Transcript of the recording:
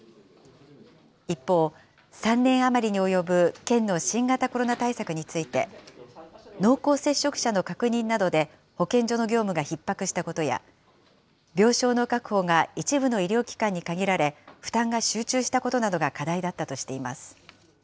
一方、３年余りに及ぶ県の新型コロナ対策について、濃厚接触者の確認などで保健所の業務がひっ迫したことや、病床の確保が一部の医療機関にかぎられ、負担が集中したことなどが課題だったとしています。